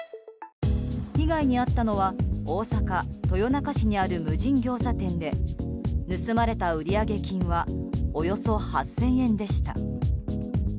被害に遭ったのは大阪・豊中市にある無人ギョーザ店で盗まれた売上金はおよそ８０００円でした。